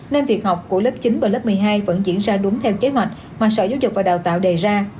nên việc học của lớp chín và lớp một mươi hai vẫn diễn ra đúng theo kế hoạch mà sở giáo dục và đào tạo đề ra